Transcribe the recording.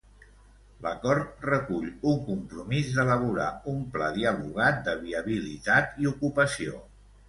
L'acord recull un compromís d'elaborar un pla dialogat de viabilitat i ocupació.